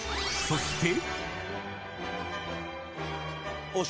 ［そして］